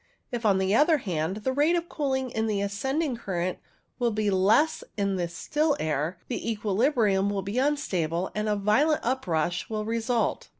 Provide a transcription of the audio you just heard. If, on the other hand, the rate of cooling in the ascend ing current be less than in the still air, the equi librium will be unstable, and a violent uprush will result.